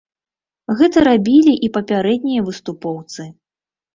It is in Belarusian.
Гэта рабілі і папярэднія выступоўцы.